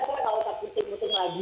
kita kalau tak bisa virtual lagi